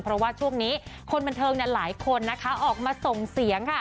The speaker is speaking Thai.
เพราะว่าช่วงนี้คนบรรเทิงหลายคนออกมาส่งเสียง